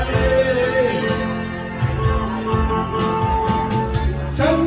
ดื่ม